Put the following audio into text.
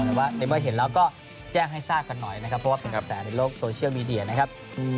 แต่ว่าในเมื่อเห็นแล้วก็แจ้งให้ทราบกันหน่อยนะครับเพราะว่าเป็นกระแสในโลกโซเชียลมีเดียนะครับ